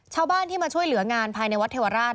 ชาวบ้านที่มาช่วยเหลืองานภายในวัดเทวราช